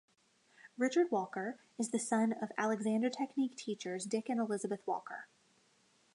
Richard Walker is the son of Alexander Technique teachers Dick and Elisabeth Walker.